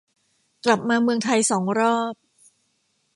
กลับมาเมืองไทยสองรอบ